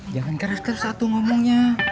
jangan keres keres satu ngomongnya